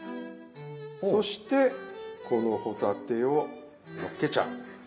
そしてこの帆立てをのっけちゃう。